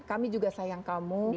kami juga sayang kamu